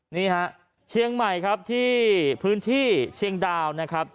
นี่ฮะเชียงใหม่ครับที่พื้นที่เชียงดาวนะครับ